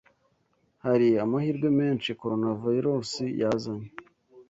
Hari amahirwe menshi coronavirus yazanye